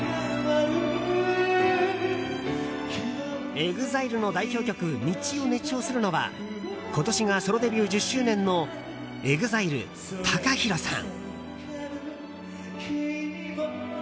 ＥＸＩＬＥの代表曲「道」を熱唱するのは今年がソロデビュー１０周年のＥＸＩＬＥＴＡＫＡＨＩＲＯさん。